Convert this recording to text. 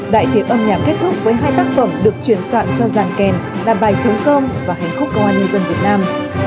đại tiệc âm nhạc kết thúc với hai tác phẩm được chuyển soạn cho giàn kèn là bài chống công và hạnh phúc của hoa niên dân việt nam